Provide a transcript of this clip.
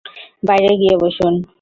বাইরে গিয়ে বসুন।